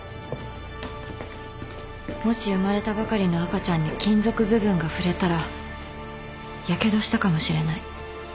もし生まれたばかりの赤ちゃんに金属部分が触れたらやけどしたかもしれない。